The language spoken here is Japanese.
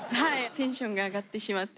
テンションが上がってしまって。